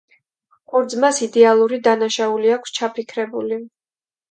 ორ ძმას იდეალური დანაშაული აქვს ჩაფიქრებული.